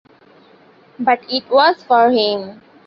But it was for him.